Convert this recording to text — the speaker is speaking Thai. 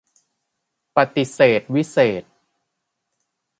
ประติเษธวิเศษณ์